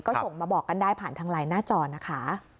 ก็ส่งมาบอกกันได้ผ่านทางไลน์หน้าจอนะคะ